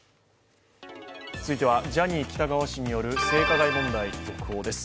続いてはジャニー喜多川氏による性加害問題の続報です。